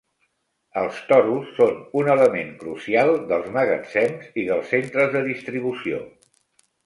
Els toros són un element crucial dels magatzems i dels centres de distribució.